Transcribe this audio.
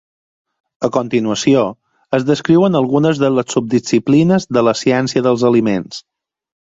A continuació es descriuen algunes de les subdisciplines de la ciència dels aliments.